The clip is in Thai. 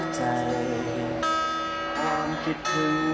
ค่อยสั้นค่อยต่อ